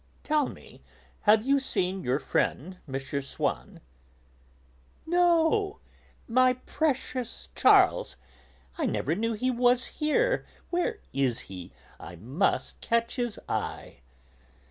"Tell me, have you seen your friend M. Swann?" "No! my precious Charles! I never knew he was here. Where is he? I must catch his eye."